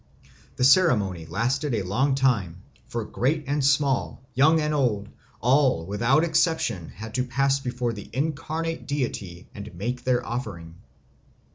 The ceremony lasted a long time, for great and small, young and old, all without exception had to pass before the incarnate deity and make their offering.